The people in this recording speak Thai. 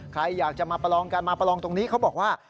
ใครอยากจะมาประลองกันมาประลองตรงนี้เขาบอกว่า